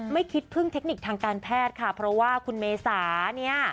ไม่คิดพึ่งเทคนิคทางการแพทย์ค่ะเพราะว่าคุณเมษาเนี่ย